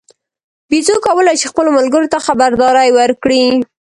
بیزو کولای شي خپلو ملګرو ته خبرداری ورکړي.